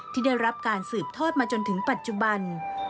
ที่ได้รับการสืบทอดมาจนถึงปัจจุบัน